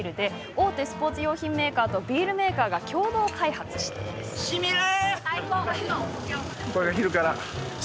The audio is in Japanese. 大手スポーツ用品メーカーとビールメーカーが共同開発しました。